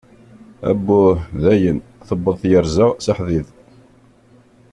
Abbuh dayen tewweḍ tyerza s aḥdid.